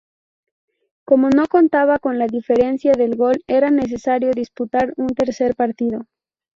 Como no contaba la diferencia de gol, era necesario disputar un tercer partido.